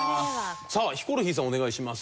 さあヒコロヒーさんお願いします。